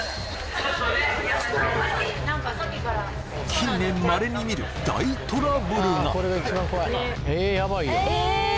近年まれに見る大トラブルがえーっ